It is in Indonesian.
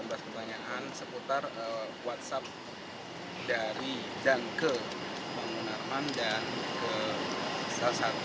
ada delapan belas pertanyaan seputar whatsapp dari dan ke bang munarman dan ke salah satu